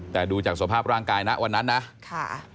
แต่ดูจากสภาพร่างกายนะวันนั้นนะค่ะ